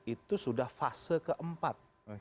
itu sudah fase keempat